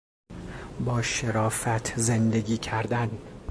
با شرافت زندگی کردن